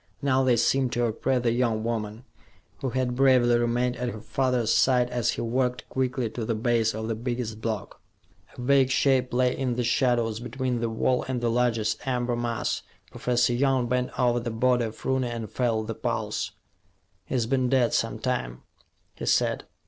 Now, they seemed to oppress the young woman, who had bravely remained at her father's side as he walked quickly to the base of the biggest block. A vague shape lay in the shadows between the wall and the largest amber mass. Professor Young bent over the body of Rooney, and felt the pulse. "He's been dead some time," he said.